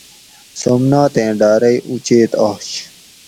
سومناتیں ڈارئ اوچیت آش